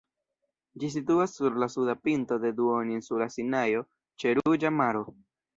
Ĝi situas sur la suda pinto de duoninsulo Sinajo, ĉe Ruĝa Maro.